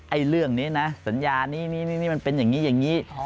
เรื่องนี้นะสัญญานี้นี่มันเป็นอย่างนี้อย่างนี้